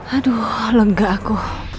aduh lega aku